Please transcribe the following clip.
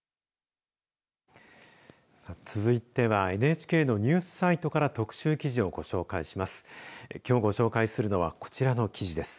さあ、続いてはＮＨＫのニュースサイトから特集記事をご紹介します。